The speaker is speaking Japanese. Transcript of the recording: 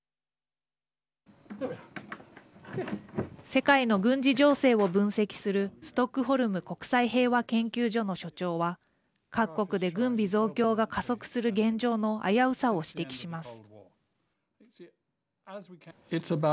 世界の軍事情勢を分析するストックホルム国際平和研究所の所長は各国で軍備増強が加速する現状の危うさを指摘します。